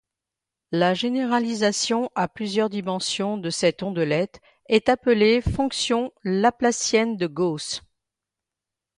La généralisation à plusieurs dimensions de cette ondelette est appelée fonction laplacienne de Gauss.